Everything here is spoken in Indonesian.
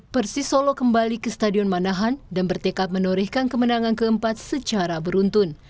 persisolo kembali ke stadion manahan dan bertekad menorehkan kemenangan keempat secara beruntun